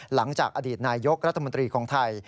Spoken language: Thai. หลังจากอดีตนายกรัฐมนตรีของไทย